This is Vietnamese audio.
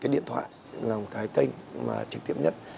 là cái kênh trực tiếp nhất